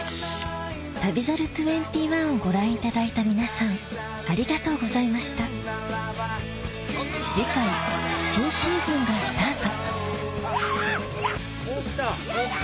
『旅猿２１』をご覧いただいた皆さんありがとうございました次回新シーズンがスタート嫌！